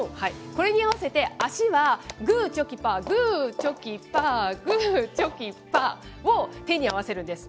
これに合わせて、足はグーチョキパー、グーチョキパー、グーチョキパーを、手に合わせるんです。